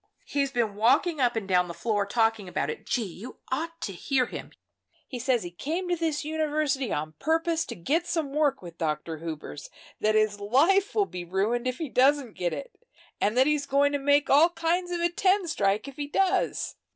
He's been walking up and down the floor talking about it. Gee! you ought to hear him. He says he came to this university on purpose to get some work with Dr. Hubers, that his life will be ruined if he doesn't get it, and that he's going to make all kinds of a ten strike, if he does.